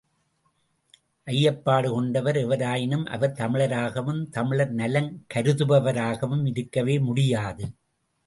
ஐயப்பாடு கொண்டவர் எவராயினும் அவர் தமிழராகவும் தமிழர்நலங் கருதுபவராகவும் இருக்கவே முடியாது.